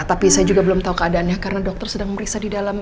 tapi saya juga belum tau keadaannya karena dokter sedang meriksa di dalam